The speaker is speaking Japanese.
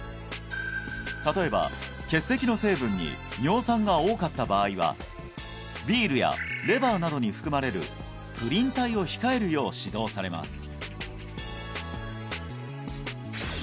例えば結石の成分に尿酸が多かった場合はビールやレバーなどに含まれるプリン体を控えるよう指導されます